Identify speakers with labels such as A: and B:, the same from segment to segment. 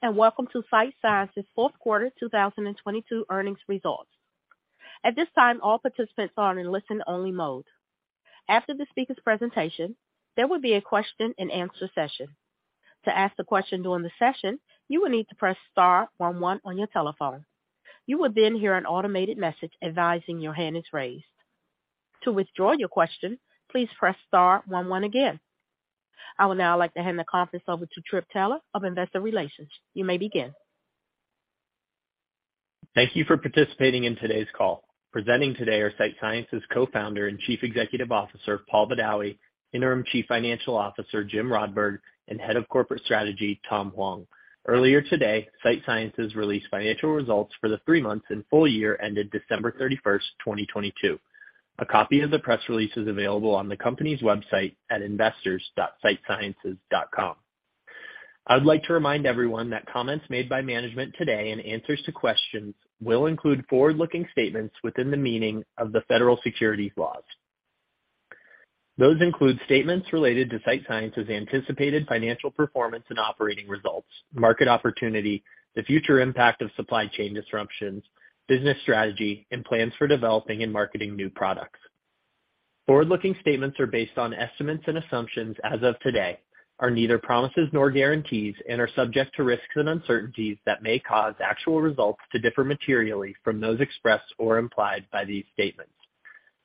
A: Hello, and welcome to Sight Sciences fourth quarter 2022 earnings results. At this time, all participants are in listen only mode. After the speaker's presentation, there will be a question and answer session. To ask the question during the session, you will need to press star 11 on your telephone. You will then hear an automated message advising your hand is raised. To withdraw your question, please press star 11 again. I would now like to hand the conference over to Trip Taylor of Investor Relations. You may begin.
B: Thank you for participating in today's call. Presenting today are Sight Sciences Co-founder and Chief Executive Officer, Paul Badawi, Interim Chief Financial Officer, Jim Rodberg, and Head of Corporate Strategy, Tom Huang. Earlier today, Sight Sciences released financial results for the three months and full year ended December 31st, 2022. A copy of the press release is available on the company's website at investors.sightsciences.com. I would like to remind everyone that comments made by management today and answers to questions will include forward-looking statements within the meaning of the federal securities laws. Those include statements related to Sight Sciences anticipated financial performance and operating results, market opportunity, the future impact of supply chain disruptions, business strategy, and plans for developing and marketing new products. Forward-looking statements are based on estimates and assumptions as of today, are neither promises nor guarantees, and are subject to risks and uncertainties that may cause actual results to differ materially from those expressed or implied by these statements.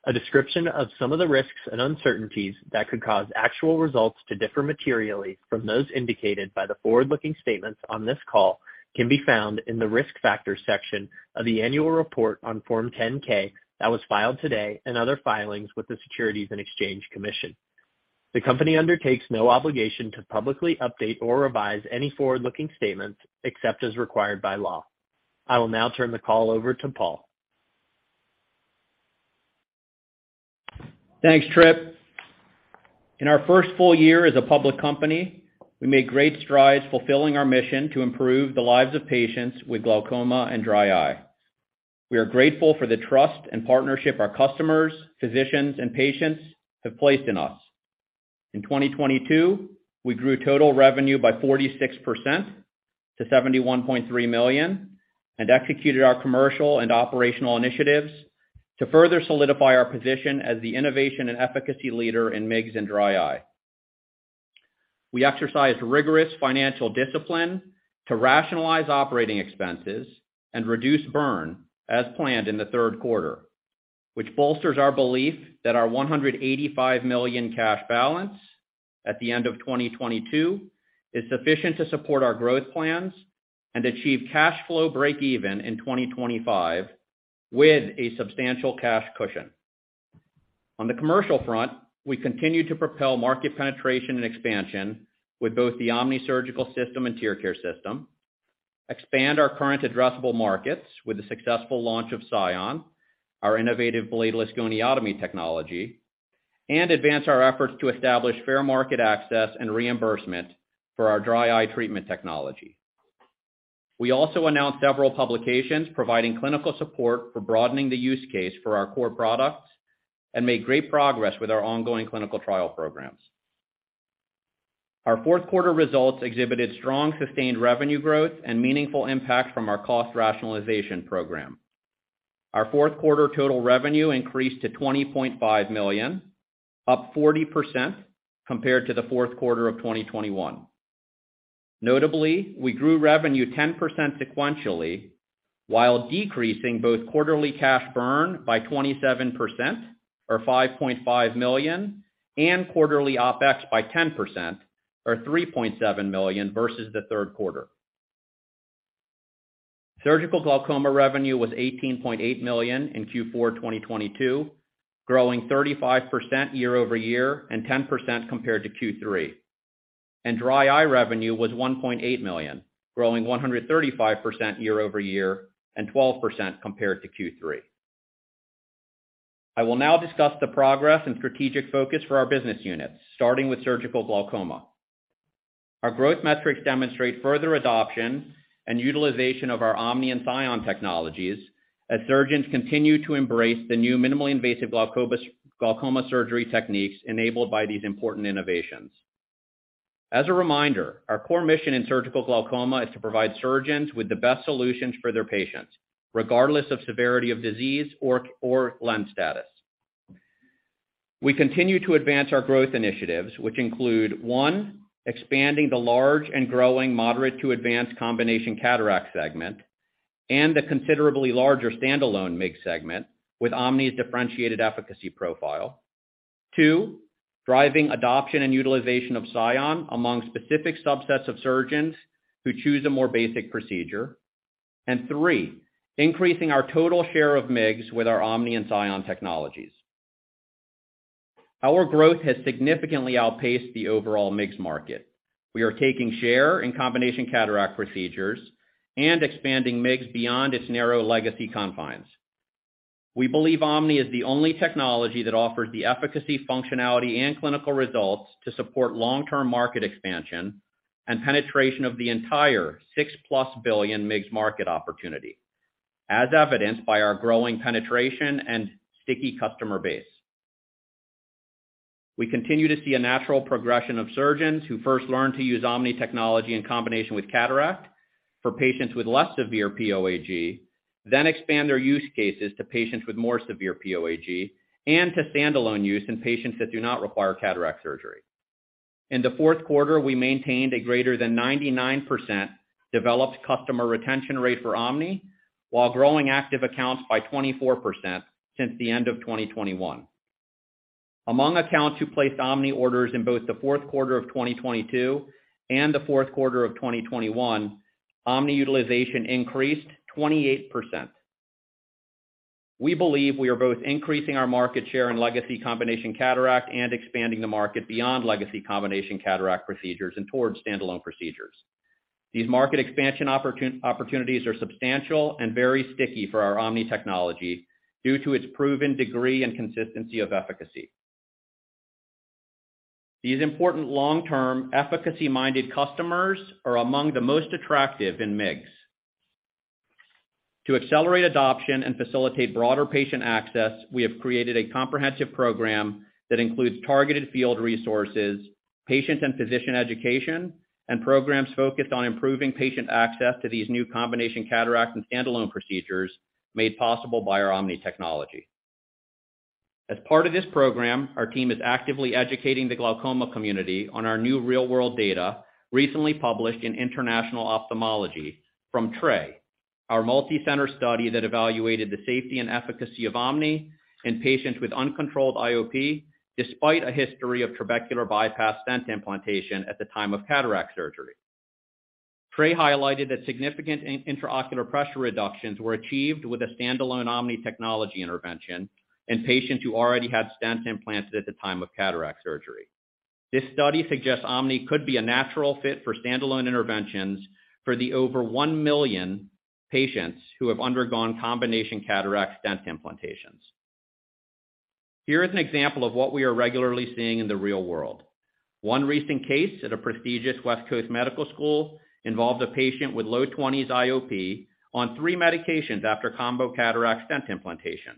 B: A description of some of the risks and uncertainties that could cause actual results to differ materially from those indicated by the forward-looking statements on this call can be found in the Risk Factors section of the annual report on Form 10-K that was filed today and other filings with the Securities and Exchange Commission. The company undertakes no obligation to publicly update or revise any forward-looking statements except as required by law. I will now turn the call over to Paul.
C: Thanks, Trip. In our first full year as a public company, we made great strides fulfilling our mission to improve the lives of patients with glaucoma and dry eye. We are grateful for the trust and partnership our customers, physicians and patients have placed in us. In 2022, we grew total revenue by 46% to $71.3 million and executed our commercial and operational initiatives to further solidify our position as the innovation and efficacy leader in MIGS and dry eye. We exercised rigorous financial discipline to rationalize operating expenses and reduce burn as planned in the third quarter, which bolsters our belief that our $185 million cash balance at the end of 2022 is sufficient to support our growth plans and achieve cash flow breakeven in 2025 with a substantial cash cushion. On the commercial front, we continue to propel market penetration and expansion with both the OMNI Surgical System and TearCare System, expand our current addressable markets with the successful launch of SION, our innovative bladeless goniotomy technology, and advance our efforts to establish fair market access and reimbursement for our dry eye treatment technology. We also announced several publications providing clinical support for broadening the use case for our core products and made great progress with our ongoing clinical trial programs. Our fourth quarter results exhibited strong, sustained revenue growth and meaningful impact from our cost rationalization program. Our fourth quarter total revenue increased to $20.5 million, up 40% compared to the fourth quarter of 2021. Notably, we grew revenue 10% sequentially, while decreasing both quarterly cash burn by 27% or $5.5 million and quarterly OpEx by 10% or $3.7 million versus the third quarter. Surgical glaucoma revenue was $18.8 million in Q4 2022, growing 35% year-over-year and 10% compared to Q3. Dry eye revenue was $1.8 million, growing 135% year-over-year and 12% compared to Q3. I will now discuss the progress and strategic focus for our business units, starting with surgical glaucoma. Our growth metrics demonstrate further adoption and utilization of our OMNI and SION technologies as surgeons continue to embrace the new minimally invasive glaucoma surgery techniques enabled by these important innovations. As a reminder, our core mission in surgical glaucoma is to provide surgeons with the best solutions for their patients, regardless of severity of disease or lens status. We continue to advance our growth initiatives which include, one, expanding the large and growing moderate to advanced combination cataract segment and the considerably larger standalone MIGS segment with OMNI's differentiated efficacy profile. Two, driving adoption and utilization of SION among specific subsets of surgeons who choose a more basic procedure. Three, increasing our total share of MIGS with our OMNI and SION technologies. Our growth has significantly outpaced the overall MIGS market. We are taking share in combination cataract procedures and expanding MIGS beyond its narrow legacy confines. We believe OMNI is the only technology that offers the efficacy, functionality and clinical results to support long-term market expansion and penetration of the entire $6+ billion MIGS market opportunity, as evidenced by our growing penetration and sticky customer base. We continue to see a natural progression of surgeons who first learn to use OMNI technology in combination with cataract for patients with less severe POAG, then expand their use cases to patients with more severe POAG and to standalone use in patients that do not require cataract surgery. In the fourth quarter, we maintained a greater than 99% developed customer retention rate for OMNI, while growing active accounts by 24% since the end of 2021. Among accounts who placed OMNI orders in both the fourth quarter of 2022 and the fourth quarter of 2021, OMNI utilization increased 28%. We believe we are both increasing our market share in legacy combination cataract and expanding the market beyond legacy combination cataract procedures and towards standalone procedures. These market expansion opportunities are substantial and very sticky for our OMNI technology due to its proven degree and consistency of efficacy. These important long-term efficacy-minded customers are among the most attractive in MIGS. To accelerate adoption and facilitate broader patient access, we have created a comprehensive program that includes targeted field resources, patient and physician education, and programs focused on improving patient access to these new combination cataract and standalone procedures made possible by our OMNI technology. As part of this program, our team is actively educating the glaucoma community on our new real-world data recently published in International Ophthalmology from TRACER, our multi-center study that evaluated the safety and efficacy of OMNI in patients with uncontrolled IOP despite a history of trabecular bypass stent implantation at the time of cataract surgery. TRACER highlighted that significant intraocular pressure reductions were achieved with a standalone OMNI technology intervention in patients who already had stents implanted at the time of cataract surgery. This study suggests OMNI could be a natural fit for standalone interventions for the over 1 million patients who have undergone combination cataract stent implantations. Here is an example of what we are regularly seeing in the real world. One recent case at a prestigious West Coast medical school involved a patient with low 20s IOP on three medications after combo cataract stent implantation.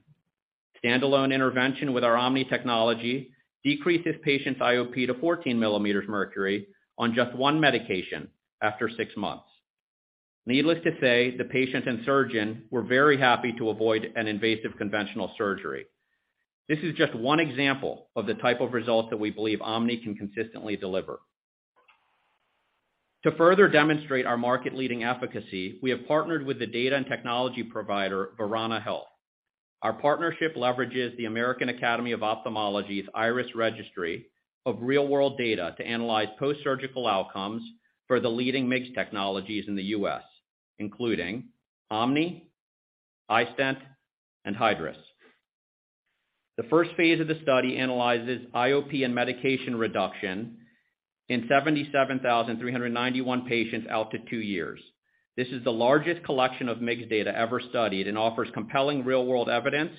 C: Standalone intervention with our OMNI technology decreased this patient's IOP to 14 millimeters mercury on just one medication after six months. Needless to say, the patient and surgeon were very happy to avoid an invasive conventional surgery. This is just one example of the type of results that we believe OMNI can consistently deliver. To further demonstrate our market-leading efficacy, we have partnered with the data and technology provider, Verana Health. Our partnership leverages the American Academy of Ophthalmology's IRIS Registry of real-world data to analyze postsurgical outcomes for the leading MIGS technologies in the US, including OMNI, iStent, and Hydrus. The first phase of the study analyzes IOP and medication reduction in 77,391 patients out to two years. This is the largest collection of MIGS data ever studied and offers compelling real-world evidence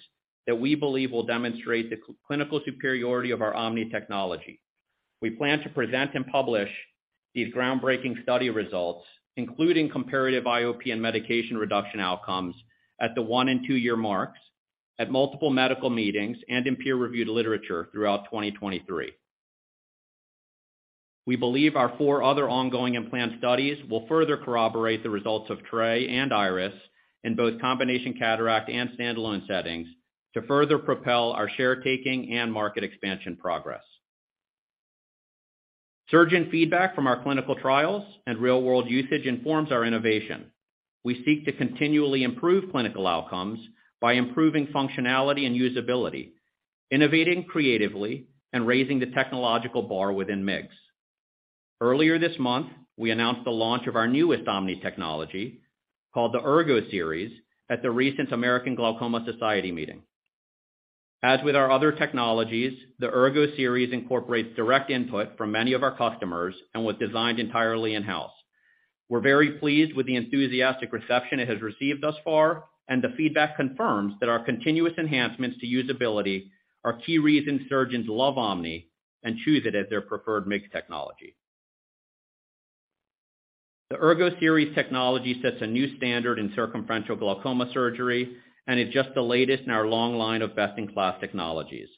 C: that we believe will demonstrate the clinical superiority of our OMNI technology. We plan to present and publish these groundbreaking study results, including comparative IOP and medication reduction outcomes at the one and two-year marks at multiple medical meetings and in peer-reviewed literature throughout 2023. We believe our four other ongoing implant studies will further corroborate the results of TRACER and IRIS in both combination cataract and standalone settings to further propel our share taking and market expansion progress. Surgeon feedback from our clinical trials and real-world usage informs our innovation. We seek to continually improve clinical outcomes by improving functionality and usability, innovating creatively, and raising the technological bar within MIGS. Earlier this month, we announced the launch of our newest OMNI technology called the Ergo-Series at the recent American Glaucoma Society meeting. As with our other technologies, the Ergo-Series incorporates direct input from many of our customers and was designed entirely in-house. We're very pleased with the enthusiastic reception it has received thus far, and the feedback confirms that our continuous enhancements to usability are key reasons surgeons love OMNI and choose it as their preferred MIGS technology. The Ergo-Series technology sets a new standard in circumferential glaucoma surgery and is just the latest in our long line of best-in-class technologies.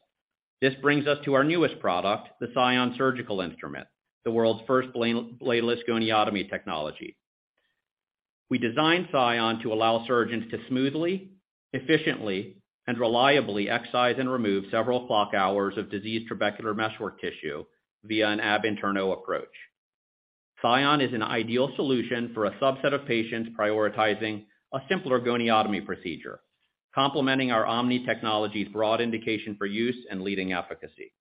C: This brings us to our newest product, the SION Surgical Instrument, the world's first bladeless goniotomy technology. We designed SION to allow surgeons to smoothly, efficiently, and reliably excise and remove several clock hours of diseased trabecular meshwork tissue via an ab interno approach. SION is an ideal solution for a subset of patients prioritizing a simpler goniotomy procedure, complementing our OMNI technology's broad indication for use and leading efficacy.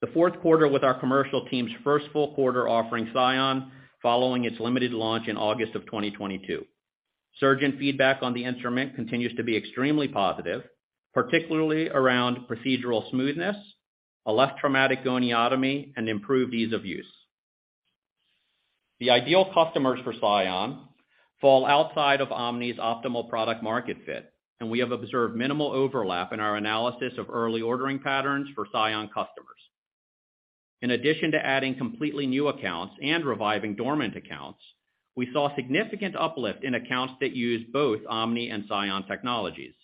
C: The fourth quarter with our commercial team's first full quarter offering SION following its limited launch in August of 2022. Surgeon feedback on the instrument continues to be extremely positive, particularly around procedural smoothness, a less traumatic goniotomy, and improved ease of use. The ideal customers for SION fall outside of OMNI's optimal product market fit, and we have observed minimal overlap in our analysis of early ordering patterns for SION customers. In addition to adding completely new accounts and reviving dormant accounts, we saw significant uplift in accounts that use both OMNI and SION technologies.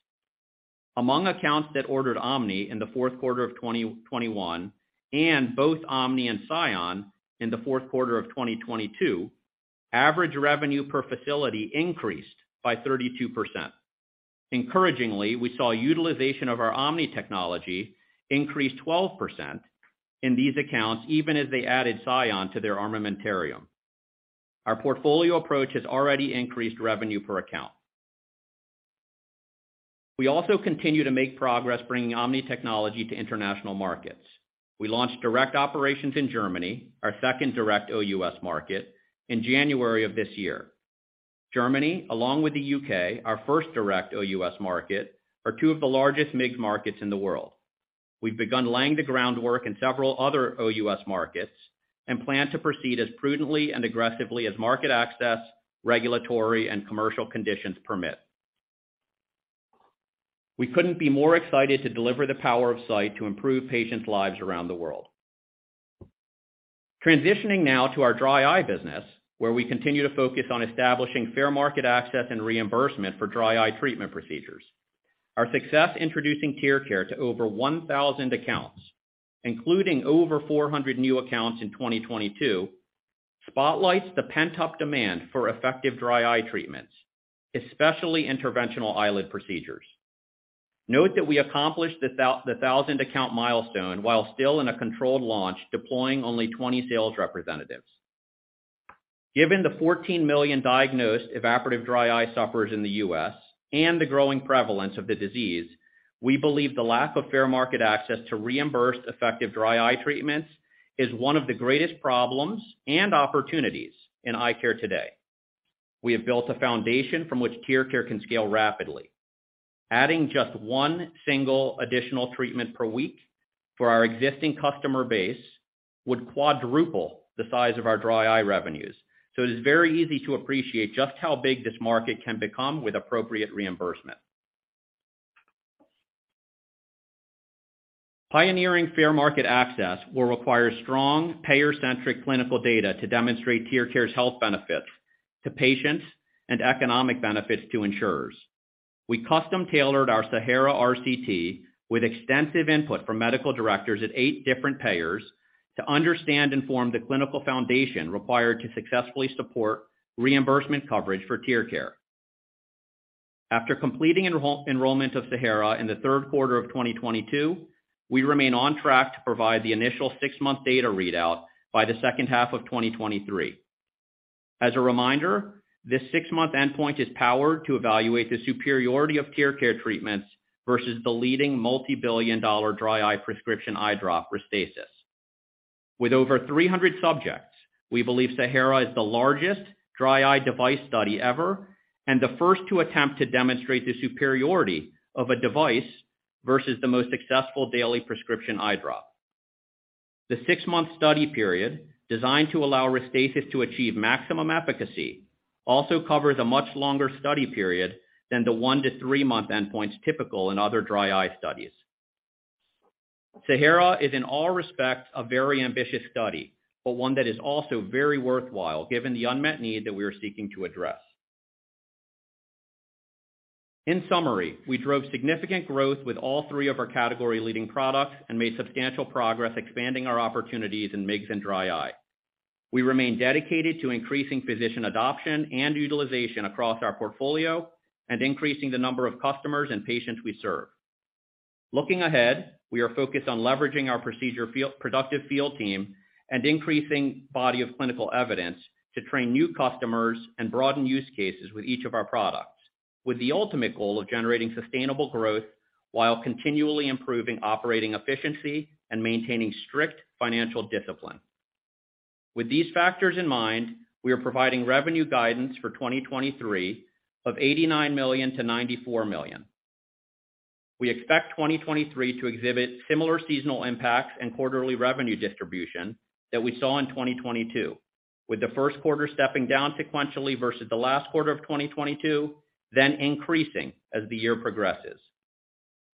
C: Among accounts that ordered OMNI in the fourth quarter of 2021 and both OMNI and SION in the fourth quarter of 2022, average revenue per facility increased by 32%. Encouragingly, we saw utilization of our OMNI technology increase 12% in these accounts even as they added SION to their armamentarium. Our portfolio approach has already increased revenue per account. We also continue to make progress bringing OMNI technology to international markets. We launched direct operations in Germany, our second direct OUS market, in January of this year. Germany, along with the U.K., our first direct OUS market, are two of the largest MIGS markets in the world. We've begun laying the groundwork in several other OUS markets, plan to proceed as prudently and aggressively as market access, regulatory, and commercial conditions permit. We couldn't be more excited to deliver the power of sight to improve patients' lives around the world. Transitioning now to our dry eye business, where we continue to focus on establishing fair market access and reimbursement for dry eye treatment procedures. Our success introducing TearCare to over 1,000 accounts, including over 400 new accounts in 2022, spotlights the pent-up demand for effective dry eye treatments, especially interventional eyelid procedures. Note that we accomplished the thousand account milestone while still in a controlled launch, deploying only 20 sales representatives. Given the 14 million diagnosed evaporative dry eye sufferers in the U.S. and the growing prevalence of the disease, we believe the lack of fair market access to reimbursed effective dry eye treatments is one of the greatest problems and opportunities in eye care today. We have built a foundation from which TearCare can scale rapidly. Adding just one single additional treatment per week for our existing customer base would quadruple the size of our dry eye revenues. It is very easy to appreciate just how big this market can become with appropriate reimbursement. Pioneering fair market access will require strong payer-centric clinical data to demonstrate TearCare's health benefits to patients and economic benefits to insurers. We custom-tailored our SAHARA RCT with extensive input from medical directors at 8 different payers to understand and form the clinical foundation required to successfully support reimbursement coverage for TearCare. After completing enrollment of SAHARA in the 3rd quarter of 2022, we remain on track to provide the initial 6-month data readout by the second half of 2023. As a reminder, this six-month endpoint is powered to evaluate the superiority of TearCare treatments versus the leading $multi-billion dry eye prescription eye drop, Restasis. With over 300 subjects, we believe SAHARA is the largest dry eye device study ever, and the first to attempt to demonstrate the superiority of a device versus the most successful daily prescription eye drop. The 6-month study period, designed to allow Restasis to achieve maximum efficacy, also covers a much longer study period than theone to three month endpoints typical in other dry eye studies. SAHARA is in all respects a very ambitious study, but one that is also very worthwhile given the unmet need that we are seeking to address. In summary, we drove significant growth with all three of our category-leading products and made substantial progress expanding our opportunities in MIGS and dry eye. We remain dedicated to increasing physician adoption and utilization across our portfolio and increasing the number of customers and patients we serve. Looking ahead, we are focused on leveraging our productive field team and increasing body of clinical evidence to train new customers and broaden use cases with each of our products, with the ultimate goal of generating sustainable growth while continually improving operating efficiency and maintaining strict financial discipline. With these factors in mind, we are providing revenue guidance for 2023 of $89 million-$94 million. We expect 2023 to exhibit similar seasonal impacts and quarterly revenue distribution that we saw in 2022, with the first quarter stepping down sequentially versus the last quarter of 2022, then increasing as the year progresses.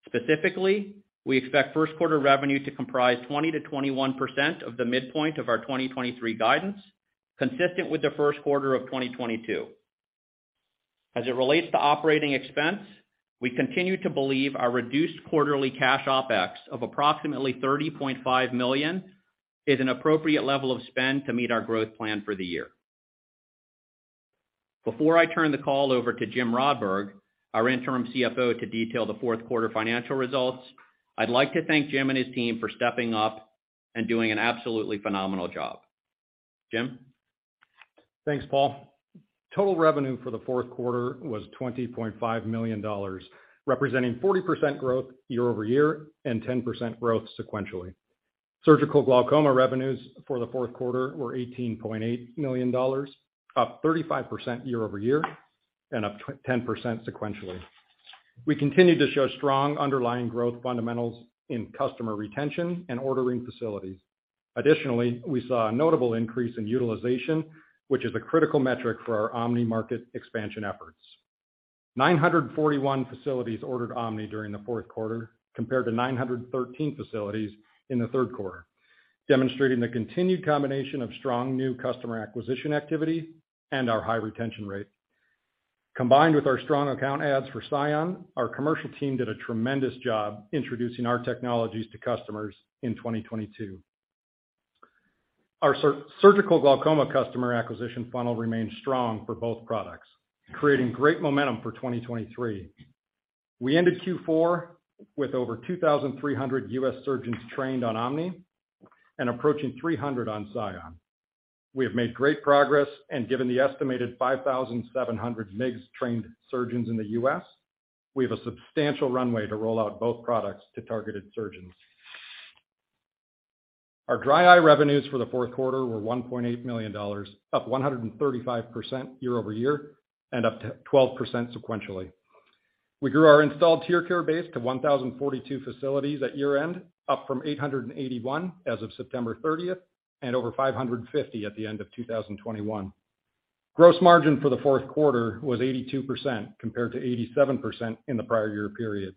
C: Specifically, we expect first quarter revenue to comprise 20%-21% of the midpoint of our 2023 guidance, consistent with the first quarter of 2022. As it relates to operating expense, we continue to believe our reduced quarterly cash OpEx of approximately $30.5 million is an appropriate level of spend to meet our growth plan for the year. Before I turn the call over to Jim Rodberg, our Interim CFO, to detail the fourth quarter financial results, I'd like to thank Jim and his team for stepping up and doing an absolutely phenomenal job. Jim?
D: Thanks, Paul. Total revenue for the fourth quarter was $20.5 million, representing 40% growth year-over-year and 10% growth sequentially. Surgical glaucoma revenues for the fourth quarter were $18.8 million, up 35% year-over-year and up 10% sequentially. We continue to show strong underlying growth fundamentals in customer retention and ordering facilities. We saw a notable increase in utilization, which is a critical metric for our OMNI market expansion efforts. 941 facilities ordered OMNI during the fourth quarter compared to 913 facilities in the third quarter, demonstrating the continued combination of strong new customer acquisition activity and our high retention rate. Combined with our strong account ads for SION, our commercial team did a tremendous job introducing our technologies to customers in 2022. Our surgical glaucoma customer acquisition funnel remains strong for both products, creating great momentum for 2023. We ended Q4 with over 2,300 U.S. surgeons trained on OMNI and approaching 300 on SION. We have made great progress and given the estimated 5,700 MIGS trained surgeons in the U.S., we have a substantial runway to roll out both products to targeted surgeons. Our dry eye revenues for the fourth quarter were $1.8 million, up 135% year-over-year and up 12% sequentially. We grew our installed TearCare base to 1,042 facilities at year-end, up from 881 as of September 30th and over 550 at the end of 2021. Gross margin for the fourth quarter was 82% compared to 87% in the prior year period.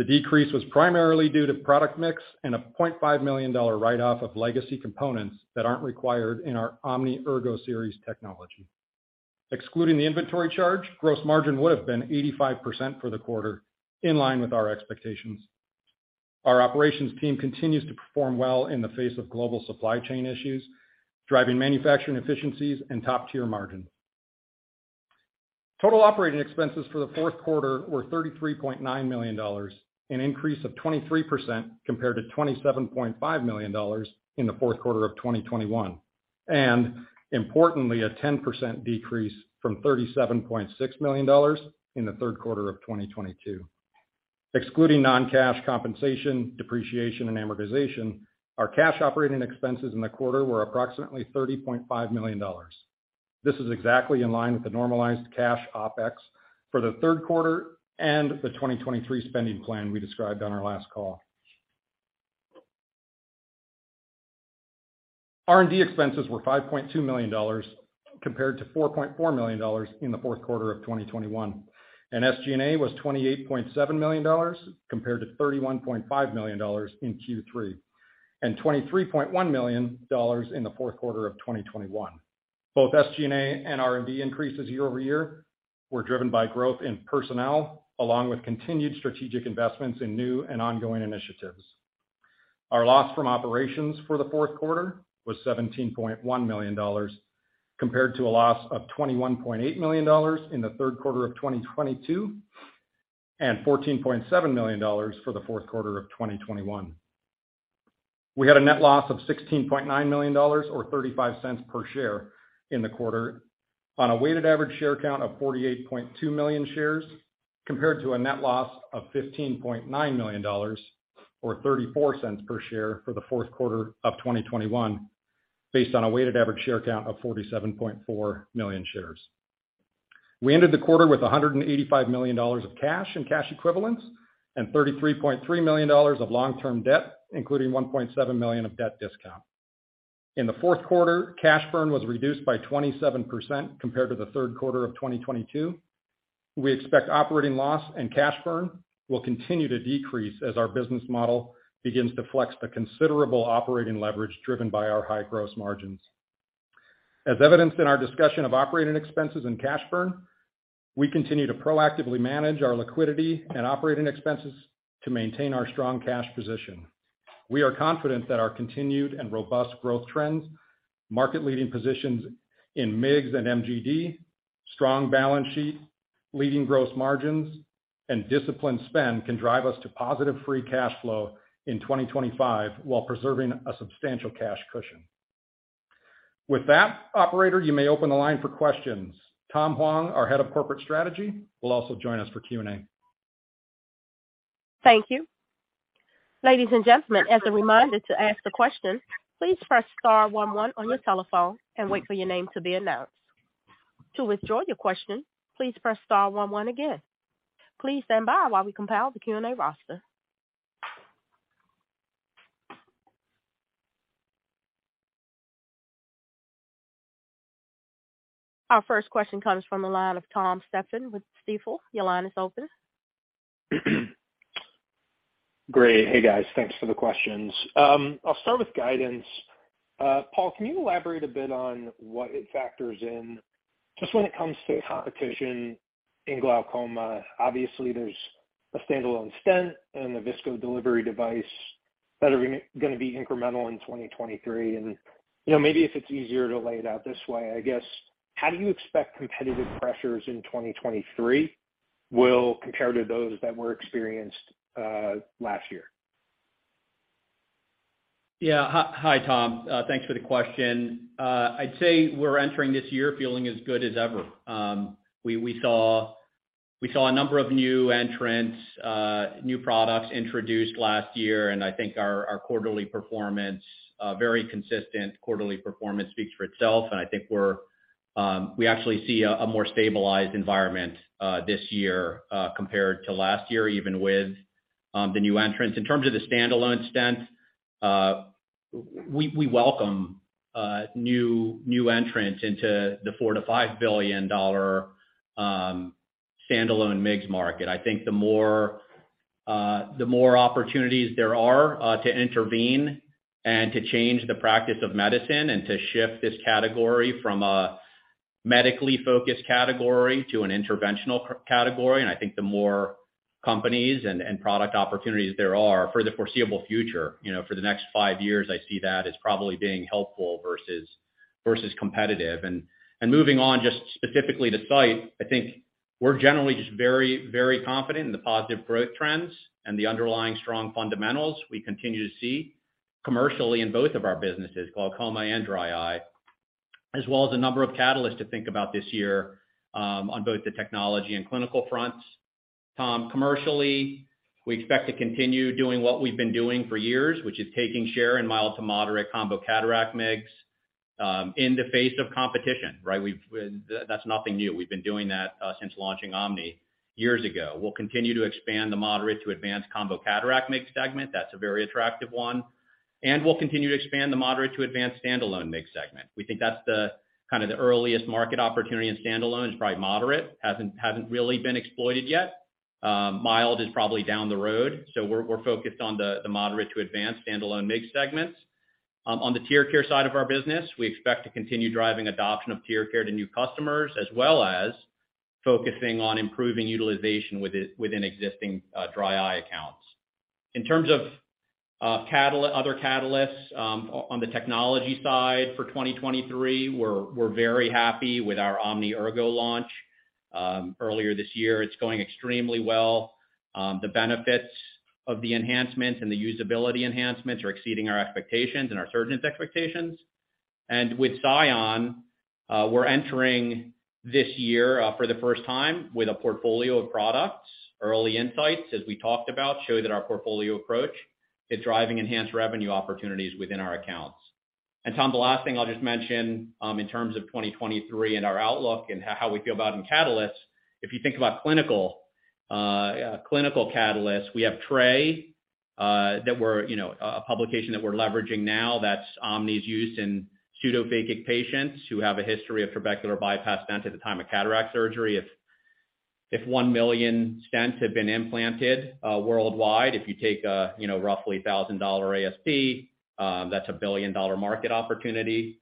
D: The decrease was primarily due to product mix and a $0.5 million write-off of legacy components that aren't required in our OMNI Ergo-Series technology. Excluding the inventory charge, gross margin would have been 85% for the quarter in line with our expectations. Our operations team continues to perform well in the face of global supply chain issues, driving manufacturing efficiencies and top-tier margin. Total operating expenses for the fourth quarter were $33.9 million, an increase of 23% compared to $27.5 million in the fourth quarter of 2021, and importantly, a 10% decrease from $37.6 million in the third quarter of 2022. Excluding non-cash compensation, depreciation, and amortization, our cash operating expenses in the quarter were approximately $30.5 million. This is exactly in line with the normalized cash OpEx for the third quarter and the 2023 spending plan we described on our last call. R&D expenses were $5.2 million compared to $4.4 million in the fourth quarter of 2021. SG&A was $28.7 million compared to $31.5 million in Q3 and $23.1 million in the fourth quarter of 2021. Both SG&A and R&D increases year-over-year were driven by growth in personnel, along with continued strategic investments in new and ongoing initiatives. Our loss from operations for the fourth quarter was $17.1 million, compared to a loss of $21.8 million in the third quarter of 2022, and $14.7 million for the fourth quarter of 2021. We had a net loss of $16.9 million or $0.35 per share in the quarter on a weighted average share count of 48.2 million shares, compared to a net loss of $15.9 million or $0.34 per share for the fourth quarter of 2021, based on a weighted average share count of 47.4 million shares. We ended the quarter with $185 million of cash and cash equivalents and $33.3 million of long-term debt, including $1.7 million of debt discount. In the fourth quarter, cash burn was reduced by 27% compared to the third quarter of 2022. We expect operating loss and cash burn will continue to decrease as our business model begins to flex the considerable operating leverage driven by our high gross margins. As evidenced in our discussion of operating expenses and cash burn, we continue to proactively manage our liquidity and operating expenses to maintain our strong cash position. We are confident that our continued and robust growth trends, market-leading positions in MIGS and MGD, strong balance sheet, leading gross margins, and disciplined spend can drive us to positive free cash flow in 2025 while preserving a substantial cash cushion. Operator, you may open the line for questions. Tom Huang, our Head of Corporate Strategy, will also join us for Q&A.
A: Thank you. Ladies and gentlemen, as a reminder to ask the question, please press star 1 1 on your telephone and wait for your name to be announced. To withdraw your question, please press star 1 1 again. Please stand by while we compile the Q&A roster. Our first question comes from the line of Thomas Stephan with Stifel. Your line is open.
E: Great. Hey, guys. Thanks for the questions. I'll start with guidance. Paul, can you elaborate a bit on what it factors in just when it comes to competition in glaucoma? Obviously, there's a standalone stent and a visco delivery device that are gonna be incremental in 2023. You know, maybe if it's easier to lay it out this way, I guess, how do you expect competitive pressures in 2023 will compare to those that were experienced last year?
C: Yeah. Hi, Tom. Thanks for the question. I'd say we're entering this year feeling as good as ever. We saw a number of new entrants, new products introduced last year, and I think our quarterly performance, very consistent quarterly performance speaks for itself. I think we actually see a more stabilized environment this year compared to last year, even with the new entrants. In terms of the standalone stent We welcome new entrants into the $4 billion-$5 billion standalone MIGS market. I think the more opportunities there are to intervene and to change the practice of medicine and to shift this category from a medically focused category to an interventional category. I think the more companies and product opportunities there are for the foreseeable future, you know, for the next five years, I see that as probably being helpful versus competitive. moving on just specifically to Sight, I think we're generally just very confident in the positive growth trends and the underlying strong fundamentals we continue to see commercially in both of our businesses, glaucoma and dry eye, as well as a number of catalysts to think about this year, on both the technology and clinical fronts. Tom, commercially, we expect to continue doing what we've been doing for years, which is taking share in mild-to-moderate combo cataract MIGS, in the face of competition, right? That's nothing new. We've been doing that since launching OMNI years ago. We'll continue to expand the moderate-to-advanced combo cataract MIGS segment. That's a very attractive one. We'll continue to expand the moderate-to-advanced standalone MIGS segment. We think that's the kind of the earliest market opportunity in standalone. It's probably moderate. Hasn't really been exploited yet. Mild is probably down the road, we're focused on the moderate-to-advanced standalone MIGS segments. On the TearCare side of our business, we expect to continue driving adoption of TearCare to new customers, as well as focusing on improving utilization within existing dry eye accounts. In terms of other catalysts, on the technology side for 2023, we're very happy with our OMNI Ergo launch earlier this year. It's going extremely well. The benefits of the enhancements and the usability enhancements are exceeding our expectations and our surgeons' expectations. With SION, we're entering this year for the first time with a portfolio of products. Early insights, as we talked about, show that our portfolio approach is driving enhanced revenue opportunities within our accounts. Tom, the last thing I'll just mention, in terms of 2023 and our outlook and how we feel about in catalysts, if you think about clinical catalysts, we have TRACER that we're a publication that we're leveraging now that's OMNI's use in pseudophakic patients who have a history of trabecular bypass stent at the time of cataract surgery. If 1 million stents have been implanted worldwide, if you take a roughly $1,000 ASP, that's a $1 billion market opportunity.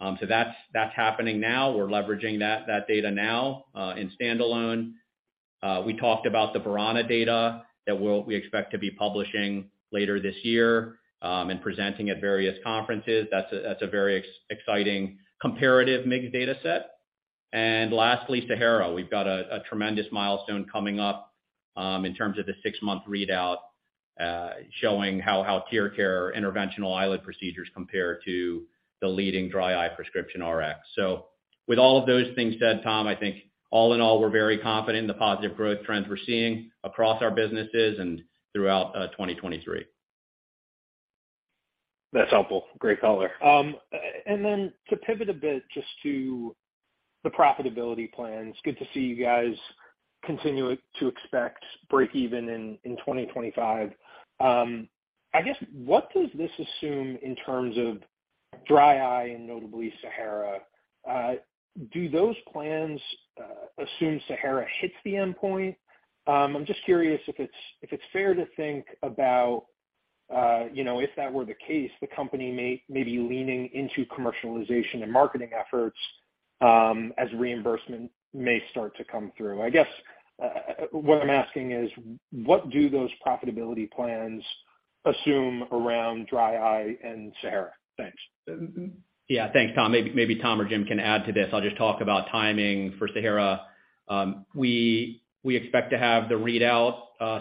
C: That's happening now. We're leveraging that data now in standalone. We talked about the Verana data that we expect to be publishing later this year, and presenting at various conferences. That's a very exciting comparative MIGS dataset. Lastly, SAHARA. We've got a tremendous milestone coming up, in terms of the six-month readout, showing how TearCare interventional eyelid procedures compare to the leading dry eye prescription RX. With all of those things said, Tom, I think all in all, we're very confident in the positive growth trends we're seeing across our businesses and throughout 2023.
E: That's helpful. Great color. To pivot a bit just to the profitability plans. Good to see you guys continuing to expect breakeven in 2025. What does this assume in terms of dry eye and notably SAHARA? Do those plans assume SAHARA hits the endpoint? I'm just curious if it's, if it's fair to think about, you know, if that were the case, the company may be leaning into commercialization and marketing efforts, as reimbursement may start to come through. What I'm asking is, what do those profitability plans assume around dry eye and SAHARA? Thanks.
C: Yeah. Thanks, Tom. Maybe Tom or Jim can add to this. I'll just talk about timing for SAHARA. We expect to have the readout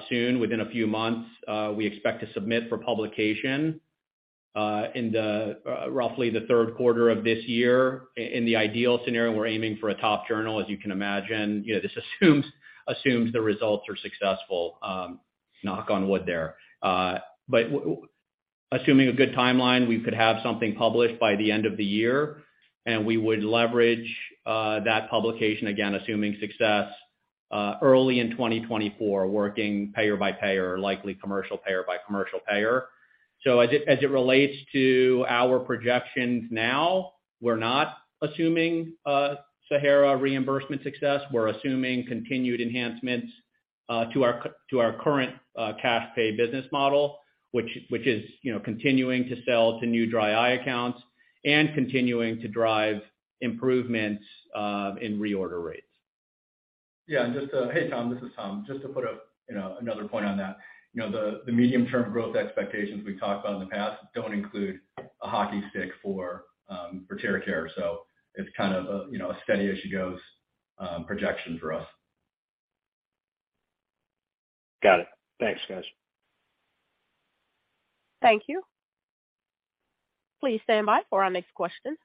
C: soon, within a few months. We expect to submit for publication in the roughly the third quarter of this year. In the ideal scenario, we're aiming for a top journal. As you can imagine, you know, this assumes the results are successful, knock on wood there. Assuming a good timeline, we could have something published by the end of the year, and we would leverage that publication again, assuming success, early in 2024, working payer by payer, likely commercial payer by commercial payer. As it relates to our projections now, we're not assuming a SAHARA reimbursement success. We're assuming continued enhancements, to our current cash pay business model, which is, you know, continuing to sell to new dry eye accounts and continuing to drive improvements in reorder rates.
F: Yeah. Hey, Tom, this is Tom. Just to put a, you know, another point on that. You know, the medium-term growth expectations we've talked about in the past don't include a hockey stick for TearCare. It's kind of a, you know, a steady-as-she-goes projection for us.
E: Got it. Thanks, guys.
A: Thank you. Please stand by for our next question.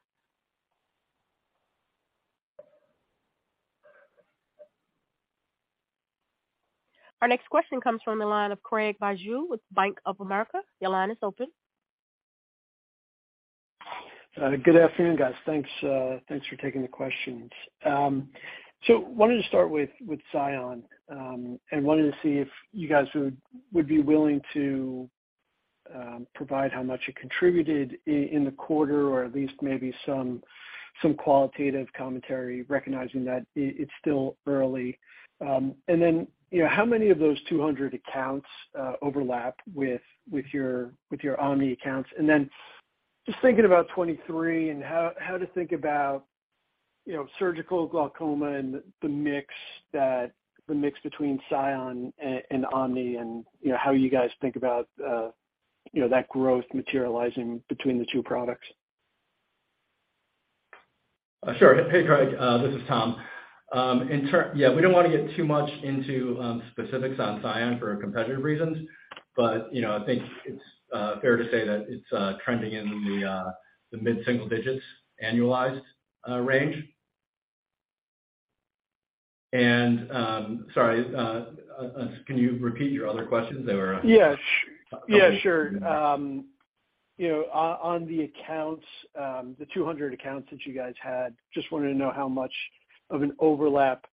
A: Our next question comes from the line of Craig Bijou with Bank of America. Your line is open.
G: Good afternoon, guys. Thanks, thanks for taking the questions. Wanted to start with SION, and wanted to see if you guys would be willing to provide how much it contributed in the quarter, or at least maybe some qualitative commentary recognizing that it's still early. And then, you know, how many of those 200 accounts overlap with your OMNI accounts? And then just thinking about 2023 and how to think about, you know, surgical glaucoma and the mix between SION and OMNI and, you know, how you guys think about, you know, that growth materializing between the two products?
F: Sure. Hey, Craig, this is Tom. Yeah, we don't want to get too much into specifics on SION for competitive reasons, but, you know, I think it's fair to say that it's trending in the mid-single digits annualized range. Sorry, can you repeat your other questions? They were.
G: Yeah.
F: Okay.
G: Yeah, sure. you know, on the accounts, the 200 accounts that you guys had, just wanted to know how much of an overlap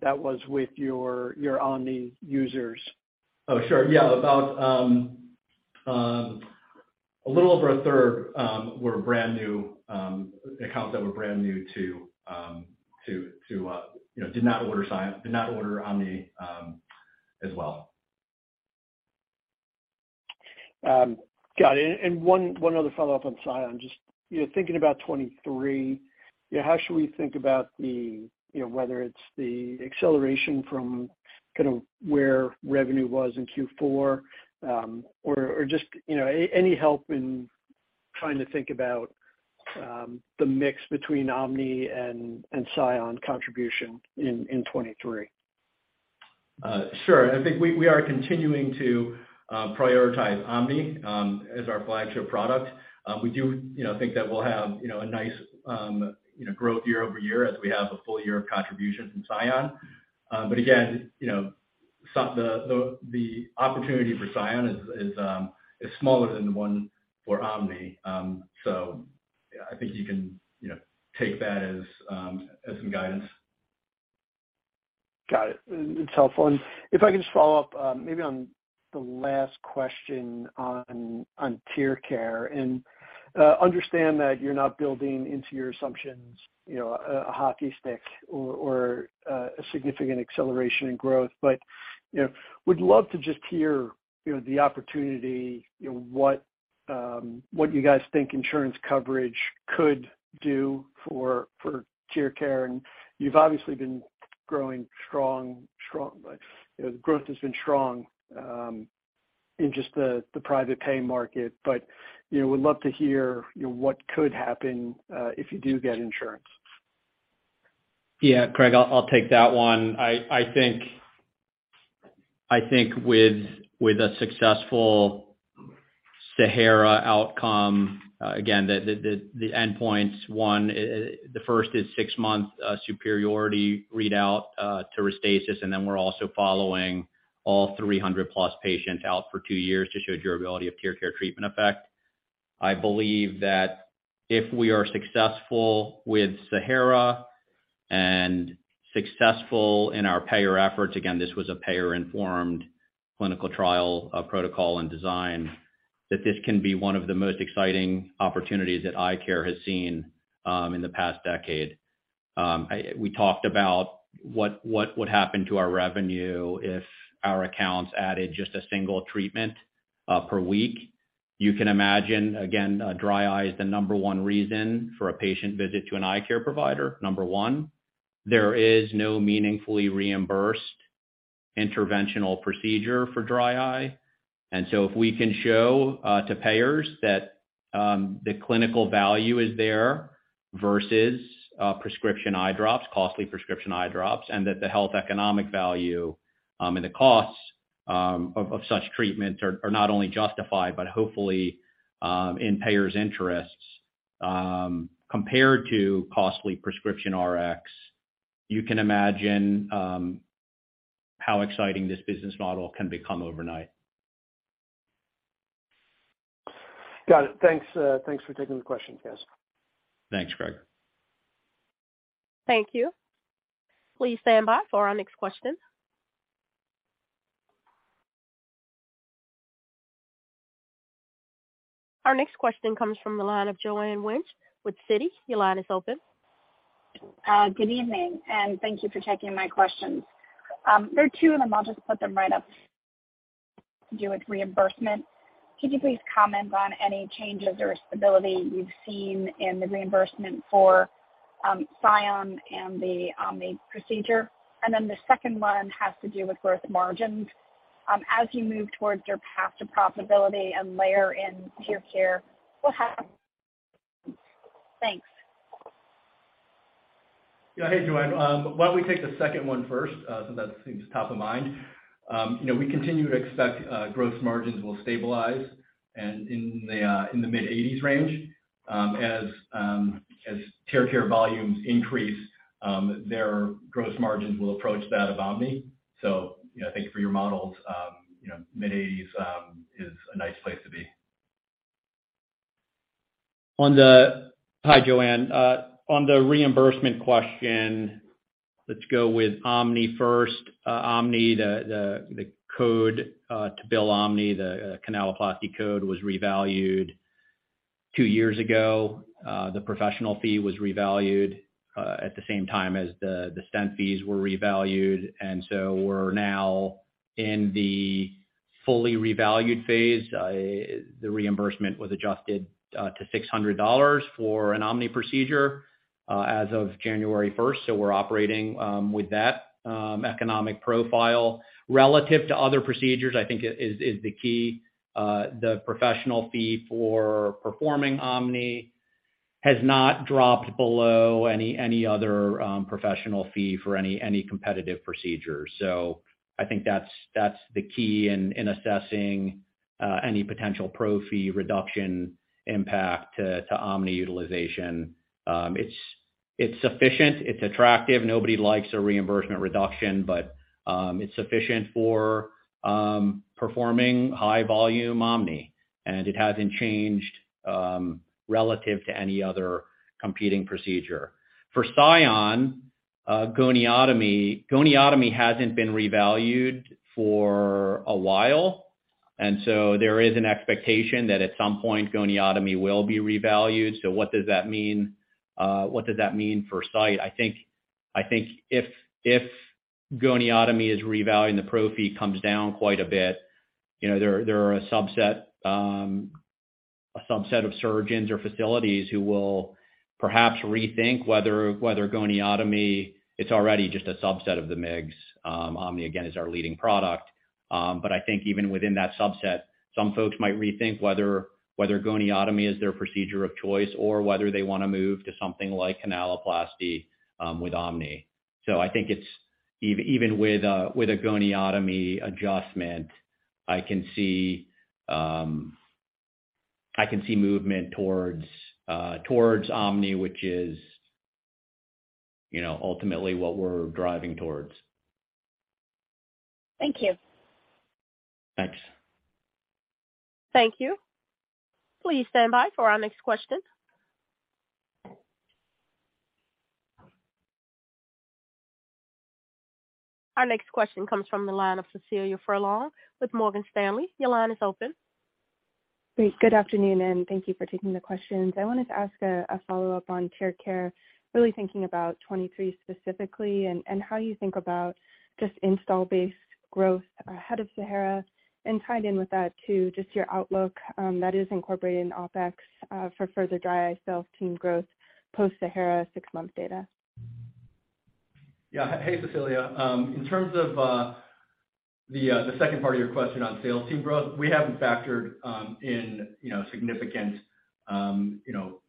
G: that was with your OMNI users?
F: Oh, sure. Yeah. About a little over a third were brand new accounts that were brand new to, you know, did not order SION, did not order OMNI, as well.
G: Got it. One other follow-up on SION. Just, you know, thinking about 2023, you know, how should we think about the, you know, whether it's the acceleration from kind of where revenue was in Q4, or just, you know, any help in trying to think about, the mix between OMNI and SION contribution in 2023.
F: Sure. I think we are continuing to prioritize OMNI as our flagship product. We do, you know, think that we'll have, you know, a nice, you know, growth year-over-year as we have a full year of contribution from SION. Again, you know, the opportunity for SION is smaller than the one for OMNI. I think you can, you know, take that as some guidance.
G: Got it. It's helpful. If I can just follow up, maybe on the last question on TearCare and understand that you're not building into your assumptions, you know, a hockey stick or a significant acceleration in growth. you know, would love to just hear, you know, the opportunity, you know, what you guys think insurance coverage could do for TearCare. You've obviously been growing strong, like, you know, the growth has been strong in just the private pay market. you know, would love to hear, you know, what could happen if you do get insurance.
C: Yeah, Craig, I'll take that one. I think with a successful SAHARA outcome, again, the endpoints one, the first is six month superiority readout to Restasis. We're also following all 300+ patients out for two years to show durability of TearCare treatment effect. I believe that if we are successful with SAHARA and successful in our payer efforts, again, this was a payer informed clinical trial protocol and design, that this can be one of the most exciting opportunities that eye care has seen in the past decade. We talked about what would happen to our revenue if our accounts added just a single treatment per week. You can imagine, again, uh, dry eye is the number one reason for a patient visit to an eye care provider, number one. There is no meaningfully reimbursed interventional procedure for dry eye. And so if we can show, uh, to payers that, um, the clinical value is there versus, uh, prescription eye drops, costly prescription eye drops, and that the health economic value, um, and the costs, um, of, of such treatments are, are not only justified, but hopefully, um, in payers' interests, um, compared to costly prescription RX, you can imagine, um, how exciting this business model can become overnight.
G: Got it. Thanks. Thanks for taking the questions, guys.
C: Thanks, Craig.
A: Thank you. Please stand by for our next question. Our next question comes from the line of Joanne Wuensch with Citi. Your line is open.
H: Good evening, thank you for taking my questions. There are two of them. I'll just put them right up. To do with reimbursement, could you please comment on any changes or stability you've seen in the reimbursement for SION and the OMNI procedure? The second one has to do with growth margins. As you move towards your path to profitability and layer in TearCare, what happened? Thanks.
F: Hey, Joanne. Why don't we take the second one first, since that seems top of mind. You know, we continue to expect growth margins will stabilize and in the mid-80s range, as TearCare volumes increase, their growth margins will approach that of OMNI. You know, I think for your models, you know, mid-80s is a nice place to be.
C: Hi, Joanne. On the reimbursement question, let's go with OMNI first. OMNI, the code to bill OMNI, the canaloplasty code was revalued two years ago. The professional fee was revalued at the same time as the stent fees were revalued. We're now in the fully revalued phase. The reimbursement was adjusted to $600 for an OMNI procedure as of January 1st. We're operating with that economic profile. Relative to other procedures, I think is the key. The professional fee for performing OMNI has not dropped below any other professional fee for any competitive procedure. I think that's the key in assessing any potential pro fee reduction impact to OMNI utilization. It's sufficient, it's attractive. Nobody likes a reimbursement reduction, it's sufficient for performing high volume OMNI, and it hasn't changed relative to any other competing procedure. For SION, goniotomy. Goniotomy hasn't been revalued for a while, there is an expectation that at some point goniotomy will be revalued. What does that mean? What does that mean for Sight? I think if goniotomy is revalued and the pro fee comes down quite a bit, you know, there are a subset, a subset of surgeons or facilities who will perhaps rethink whether goniotomy it's already just a subset of the MIGS. OMNI, again, is our leading product. I think even within that subset, some folks might rethink whether goniotomy is their procedure of choice or whether they wanna move to something like canaloplasty with OMNI. I think it's even with a, with a goniotomy adjustment, I can see movement towards OMNI, which is, you know, ultimately what we're driving towards.
I: Thank you.
C: Thanks.
A: Thank you. Please stand by for our next question. Our next question comes from the line of Cecilia Furlong with Morgan Stanley. Your line is open.
J: Great. Good afternoon, Thank you for taking the questions. I wanted to ask a follow-up on TearCare, really thinking about 23 specifically and how you think about just install-based growth ahead of SAHARA, Tied in with that too, just your outlook that is incorporating OpEx for further dry eye sales team growth post SAHARA 6-month data.
F: Yeah. Hey, Cecilia. In terms of the second part of your question on sales team growth, we haven't factored in, you know, significant, you know,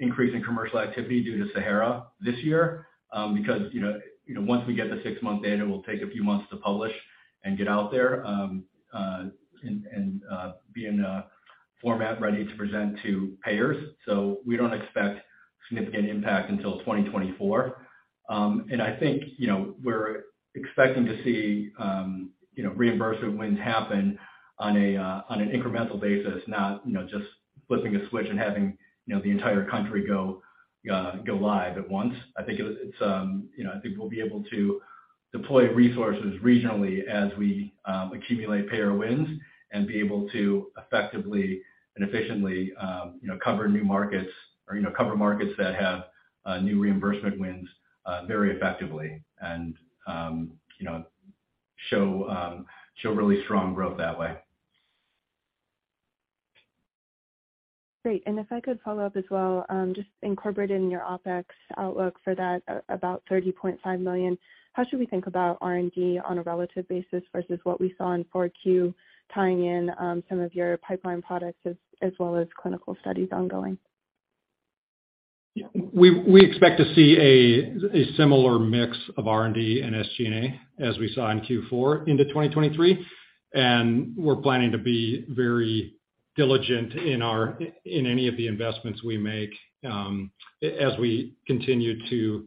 F: increase in commercial activity due to SAHARA this year. Once we get the 6-month data, we'll take a few months to publish and get out there and be in a format ready to present to payers. We don't expect significant impact until 2024. I think, you know, we're expecting to see, you know, reimbursement wins happen on an incremental basis, not, you know, just flipping a switch and having, you know, the entire country go live at once. I think it's, you know, I think we'll be able to deploy resources regionally as we accumulate payer wins and be able to effectively and efficiently, you know, cover new markets or, you know, cover markets that have new reimbursement wins, very effectively and, you know, show really strong growth that way.
J: Great. If I could follow up as well, just incorporating your OpEx outlook for that, about $30.5 million. How should we think about R&D on a relative basis versus what we saw in four Q, tying in some of your pipeline products as well as clinical studies ongoing?
C: We expect to see a similar mix of R&D and SG&A as we saw in Q4 into 2023. We're planning to be very diligent in any of the investments we make, as we continue to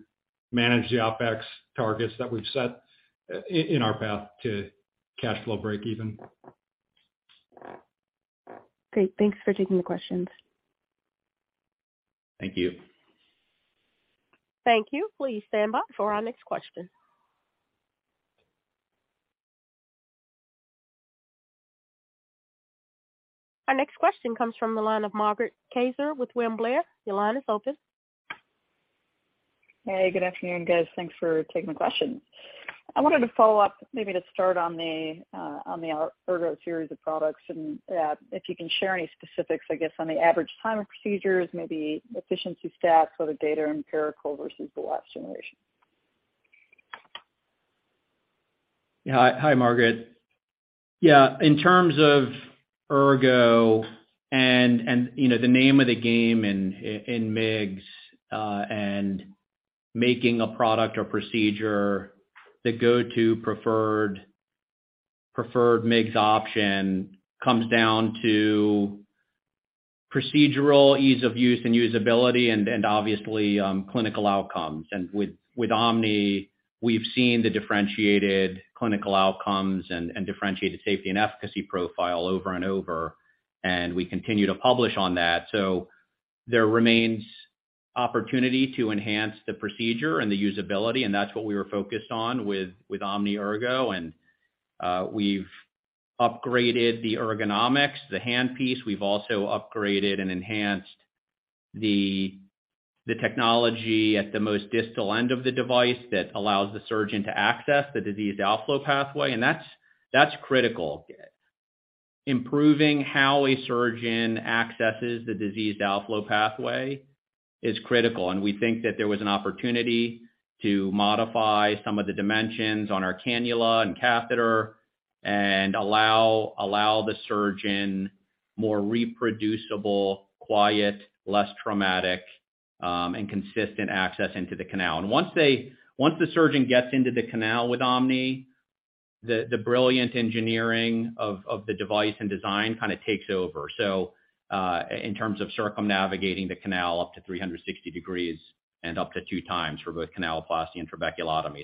C: manage the OpEx targets that we've set in our path to cash flow breakeven.
J: Great. Thanks for taking the questions.
F: Thank you.
A: Thank you. Please stand by for our next question. Our next question comes from the line of Margaret Kaczor with William Blair. Your line is open.
K: Hey, good afternoon, guys. Thanks for taking the question. I wanted to follow up, maybe to start on the Ergo-Series of products and if you can share any specifics, I guess, on the average time of procedures, maybe efficiency stats for the data empirical versus the last generation.
C: Hi, Margaret. Yeah. In terms of Ergo and, you know, the name of the game in MIGS and making a product or procedure, the go-to preferred MIGS option comes down to procedural ease of use and usability and obviously clinical outcomes. With OMNI, we've seen the differentiated clinical outcomes and differentiated safety and efficacy profile over and over, and we continue to publish on that. There remains opportunity to enhance the procedure and the usability, and that's what we were focused on with OMNI Ergo. We've upgraded the ergonomics, the handpiece. We've also upgraded and enhanced the technology at the most distal end of the device that allows the surgeon to access the diseased outflow pathway. That's critical. Improving how a surgeon accesses the diseased outflow pathway is critical. We think that there was an opportunity to modify some of the dimensions on our cannula and catheter and allow the surgeon more reproducible, quiet, less traumatic, and consistent access into the canal. Once the surgeon gets into the canal with OMNI, the brilliant engineering of the device and design kind of takes over. In terms of circumnavigating the canal up to 360 degrees and up to two times for both canaloplasty and trabeculotomy.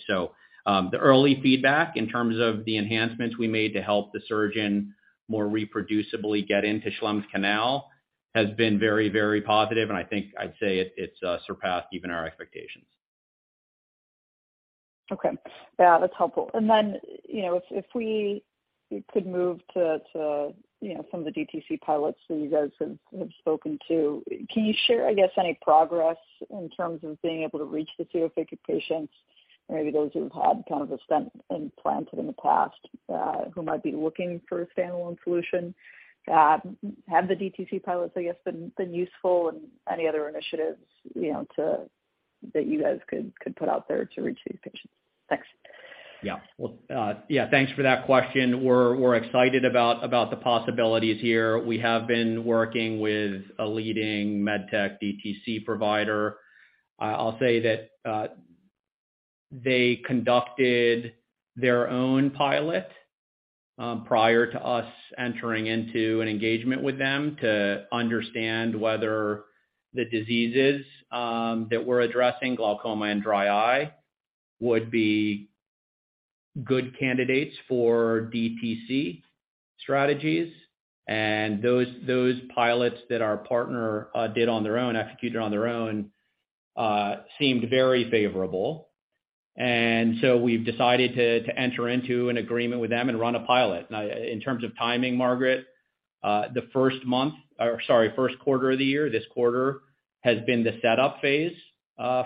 C: The early feedback in terms of the enhancements we made to help the surgeon more reproducibly get into Schlemm's canal has been very positive, and I think I'd say it's surpassed even our expectations.
K: Okay. Yeah, that's helpful. Then, you know, if we could move to, you know, some of the DTC pilots that you guys have spoken to. Can you share, I guess, any progress in terms of being able to reach the two affected patients or maybe those who've had kind of a stent implanted in the past, who might be looking for a standalone solution? Have the DTC pilots, I guess, been useful and any other initiatives, you know, that you guys could put out there to reach these patients? Thanks.
C: Yeah. Well, yeah, thanks for that question. We're excited about the possibilities here. We have been working with a leading med tech DTC provider. I'll say that they conducted their own pilot prior to us entering into an engagement with them to understand whether the diseases that we're addressing, glaucoma and dry eye, would be good candidates for DTC strategies. Those pilots that our partner did on their own, executed on their own, seemed very favorable. We've decided to enter into an agreement with them and run a pilot. In terms of timing, Margaret, the first month or, sorry, first quarter of the year, this quarter, has been the setup phase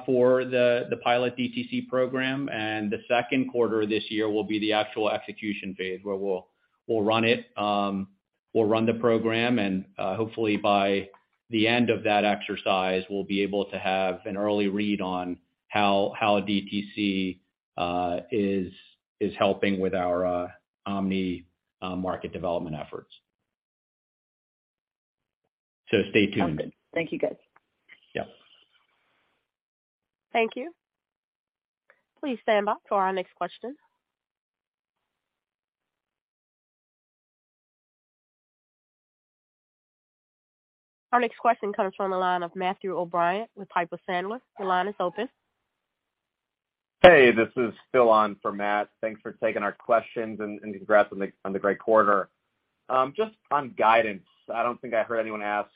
C: for the pilot DTC program, and the second quarter this year will be the actual execution phase, where we'll run it. We'll run the program, hopefully by the end of that exercise, we'll be able to have an early read on how DTC is helping with our OMNI market development efforts. Stay tuned.
K: Okay. Thank you, guys.
C: Yeah.
A: Thank you. Please stand by for our next question. Our next question comes from the line of Matthew O'Brien with Piper Sandler. Your line is open.
L: Hey, this is Phil on for Matt. Thanks for taking our questions and congrats on the great quarter. Just on guidance. I don't think I heard anyone ask,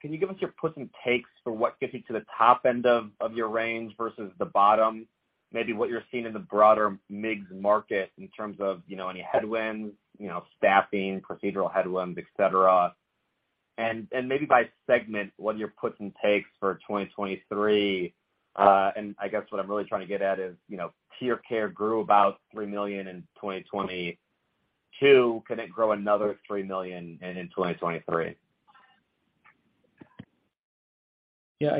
L: can you give us your puts and takes for what gets you to the top end of your range versus the bottom, maybe what you're seeing in the broader MIGS market in terms of, you know, any headwinds, you know, staffing, procedural headwinds, et cetera. Maybe by segment, what are your puts and takes for 2023. I guess what I'm really trying to get at is, you know, TearCare grew about $3 million in 2022. Can it grow another $3 million in 2023?
C: Yeah.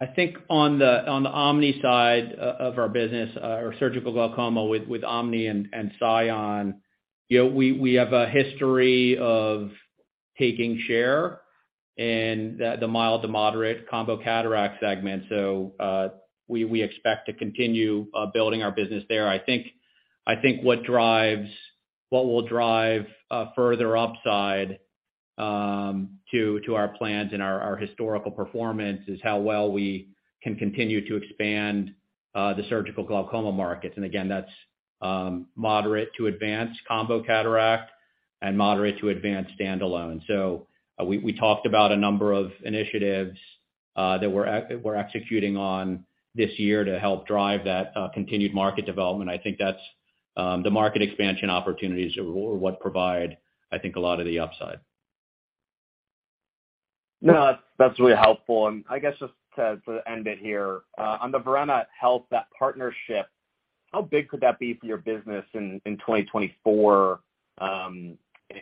C: I think on the OMNI side of our business, or surgical glaucoma with OMNI and SION, you know, we have a history of taking share in the mild to moderate combo cataract segment. We expect to continue building our business there. I think what will drive further upside to our plans and our historical performance is how well we can continue to expand the surgical glaucoma markets. Again, that's moderate to advanced combo cataract and moderate to advanced standalone. We talked about a number of initiatives that we're executing on this year to help drive that continued market development. I think that's the market expansion opportunities are what provide, I think, a lot of the upside.
L: No, that's really helpful. I guess just to end it here, on the Verana Health, that partnership, how big could that be for your business in 2024,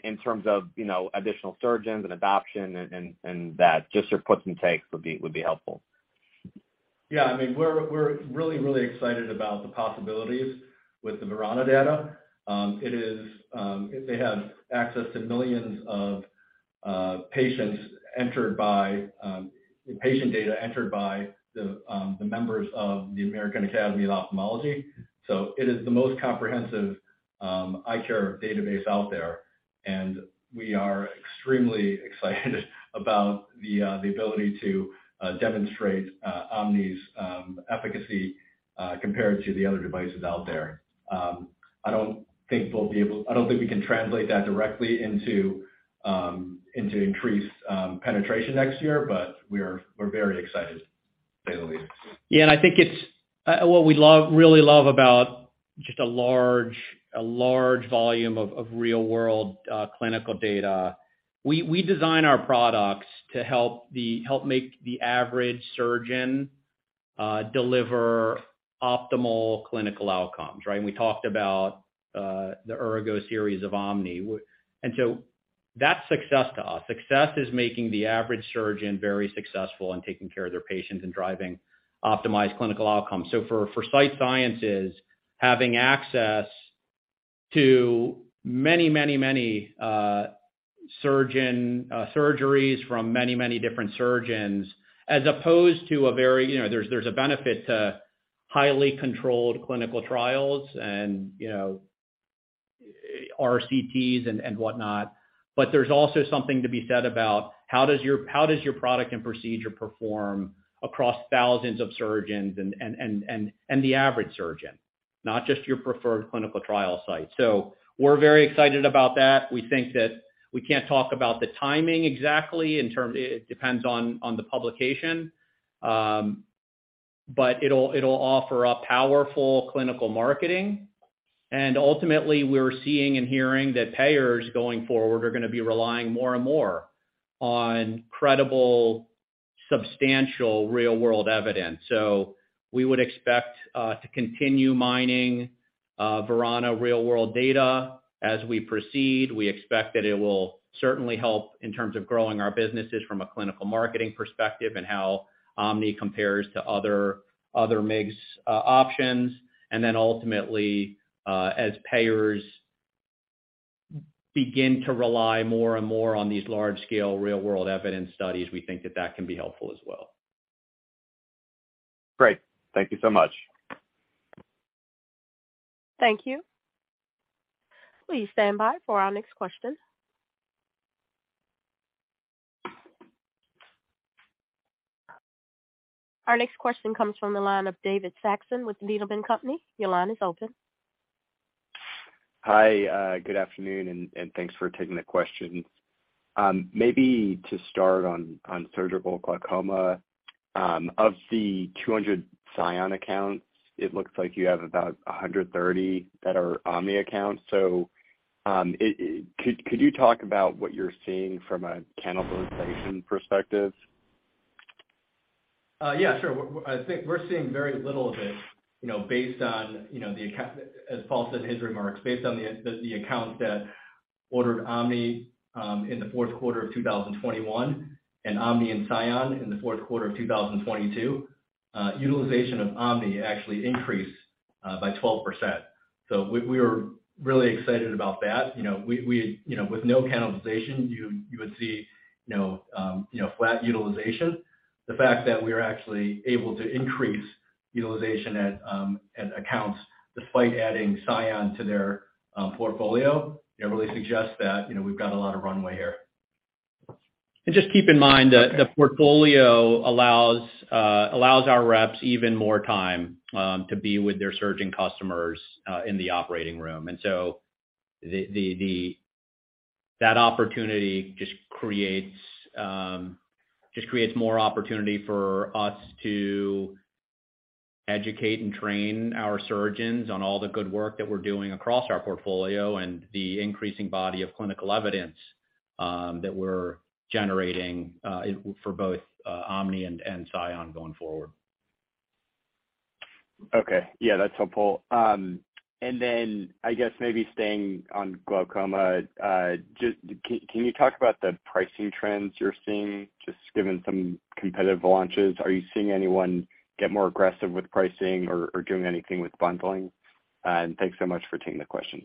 L: in terms of, you know, additional surgeons and adoption and that, just your puts and takes would be helpful?
F: Yeah. I mean, we're really, really excited about the possibilities with the Verana data. It is, they have access to millions of patients entered by patient data entered by the members of the American Academy of Ophthalmology. It is the most comprehensive eye care database out there. We are extremely excited about the ability to demonstrate OMNI's efficacy compared to the other devices out there. I don't think we can translate that directly into increased penetration next year, but we're very excited daily.
C: Yeah. I think it's what we love, really love about just a large volume of real-world clinical data. We design our products to help make the average surgeon deliver optimal clinical outcomes, right? We talked about the Ergo-Series of OMNI. That's success to us. Success is making the average surgeon very successful in taking care of their patients and driving optimized clinical outcomes. For Sight Sciences, having access to many surgeon surgeries from many different surgeons, as opposed to a very, you know... There's a benefit to highly controlled clinical trials and, you know, RCTs and whatnot. There's also something to be said about how does your product and procedure perform across thousands of surgeons and the average surgeon, not just your preferred clinical trial site. We're very excited about that. We think that we can't talk about the timing exactly. It depends on the publication. It'll offer a powerful clinical marketing. Ultimately, we're seeing and hearing that payers going forward are gonna be relying more and more on credible, substantial real-world evidence. We would expect to continue mining Verana real-world data as we proceed. We expect that it will certainly help in terms of growing our businesses from a clinical marketing perspective and how OMNI compares to other MIGS options. Ultimately, as payers begin to rely more and more on these large-scale real-world evidence studies, we think that that can be helpful as well.
F: Great. Thank you so much.
A: Thank you. Please standby for our next question. Our next question comes from the line of David Saxon with Needham & Company. Your line is open.
M: Hi. good afternoon, and thanks for taking the questions. maybe to start on surgical glaucoma, of the 200 SION accounts, it looks like you have about 130 that are OMNI accounts. Could you talk about what you're seeing from a cannibalization perspective?
F: Yeah, sure. I think we're seeing very little of it, you know, based on, you know, as Paul said in his remarks, based on the accounts that ordered OMNI in the fourth quarter of 2021 and OMNI and SION in the fourth quarter of 2022, utilization of OMNI actually increased by 12%. We were really excited about that. You know, we, with no cannibalization, you would see, you know, flat utilization. The fact that we are actually able to increase utilization at accounts despite adding SION to their portfolio, it really suggests that, you know, we've got a lot of runway here.
C: Just keep in mind that the portfolio allows allows our reps even more time to be with their surgeon customers in the operating room. That opportunity just creates just creates more opportunity for us to educate and train our surgeons on all the good work that we're doing across our portfolio and the increasing body of clinical evidence that we're generating for both OMNI and SION going forward.
M: Okay. Yeah, that's helpful. Then I guess maybe staying on glaucoma, just can you talk about the pricing trends you're seeing, just given some competitive launches? Are you seeing anyone get more aggressive with pricing or doing anything with bundling? Thanks so much for taking the questions.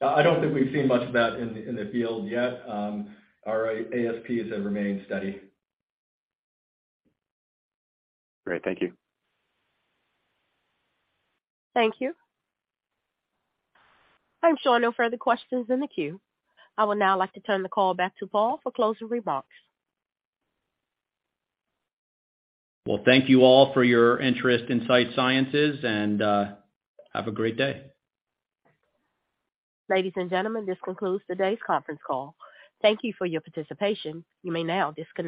F: I don't think we've seen much of that in the field yet. Our ASPs have remained steady.
M: Great. Thank you.
A: Thank you. I'm showing no further questions in the queue. I would now like to turn the call back to Paul for closing remarks.
C: Well, thank you all for your interest in Sight Sciences, and have a great day.
A: Ladies and gentlemen, this concludes today's conference call. Thank you for your participation. You may now disconnect.